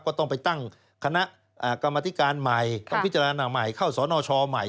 ก็ต้องไปตั้งคณะกรรมธิการใหม่ต้องพิจารณาใหม่เข้าสนชใหม่